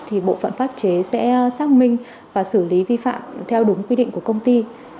thì bộ phận pháp chế sẽ xác minh và xử lý vi phạm theo đúng quy định của công ty